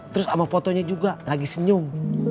terus sama fotonya juga lagi senyum